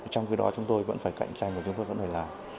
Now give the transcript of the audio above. trong khi đó chúng tôi vẫn phải cạnh tranh và chúng tôi vẫn phải làm